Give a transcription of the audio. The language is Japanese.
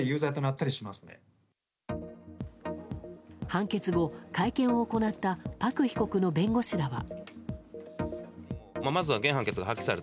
判決後、会見を行ったパク被告の弁護士らは。